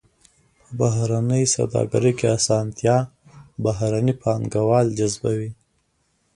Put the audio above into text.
په بهرنۍ سوداګرۍ کې اسانتیا بهرني پانګوال جذبوي.